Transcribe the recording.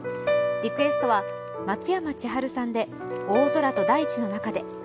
リクエストは松山千春さんで「大空と大地の中で」。